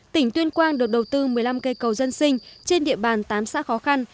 tỉnh tuyên quang được đầu tư một mươi năm cây cầu dân sinh trên địa bàn tám xã khó khăn